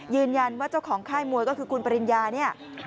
ยืนยันว่าเจ้าของค่ายมวยก็คือคุณปริญญานี่